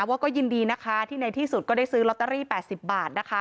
ว่าก็ยินดีนะคะที่ในที่สุดก็ได้ซื้อลอตเตอรี่๘๐บาทนะคะ